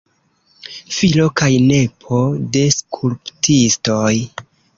Filo kaj nepo de skulptistoj.